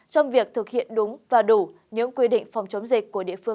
trong việc thực hiện đúng và đủ những quy định phòng chống dịch